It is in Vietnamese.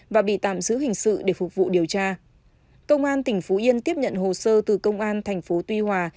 và bị tạm giữ hình sự để phục vụ điều tra công an tỉnh phú yên tiếp nhận hồ sơ từ công an tp tuy hòa